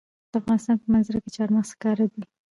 د افغانستان په منظره کې چار مغز ښکاره ده.